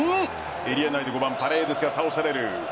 エリア内でパレーデスが倒される。